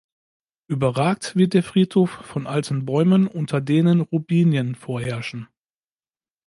Überragt wird der Friedhof von alten Bäumen, unter denen Robinien vorherrschen.